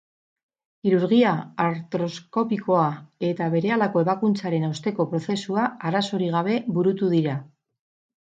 Kirurgia artroskopikoa eta berehalako ebakuntzaren osteko prozesua arazorik gabe burutu dira.